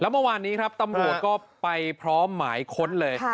เมื่อวานนี้ครับตำรวจก็ไปพร้อมหมายค้นเลย